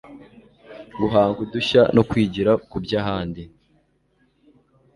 guhanga udushya no kwigira kuby'ahandi